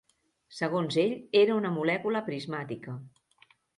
Segons ell era una molècula prismàtica.